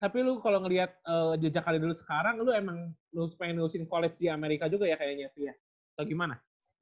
tapi lu kalo ngeliat jejak kali dulu sekarang lu emang pengen nulisin college di amerika juga ya kayaknya sih ya atau gimana